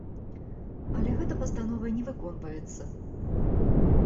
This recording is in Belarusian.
Але гэта пастанова не выконваецца.